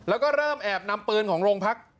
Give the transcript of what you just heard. แล้วก็เริ่มแอบนำปืนของโรงพัก